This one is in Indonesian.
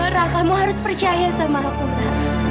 ra kamu harus percaya sama aku ra